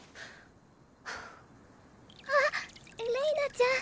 あっれいなちゃん